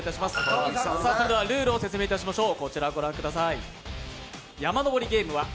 それではルールを説明いたしましょう。